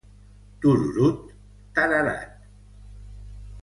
Tururut, tararat.